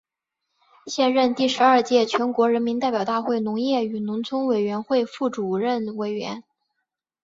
现任第十二届全国人民代表大会农业与农村委员会副主任委员。